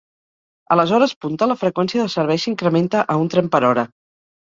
A les hores punta, la freqüència de servei s'incrementa a un tren per hora.